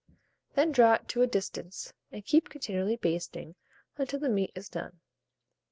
Then draw it to a distance, and keep continually basting until the meat is done.